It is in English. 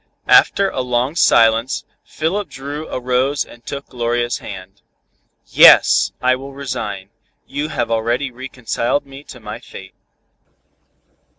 After a long silence, Philip Dru arose and took Gloria's hand. "Yes! I will resign. You have already reconciled me to my fate."